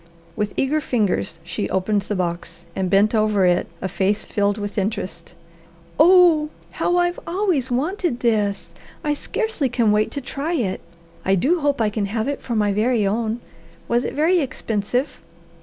With eager fingers she opened the box, and bent over it a face filled with interest. "Oh how I've always wanted this! I scarcely can wait to try it. I do hope I can have it for my very own. Was it quite expensive?"